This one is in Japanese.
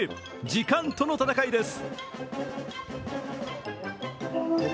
時間との戦いです。